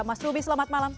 mas ruby selamat malam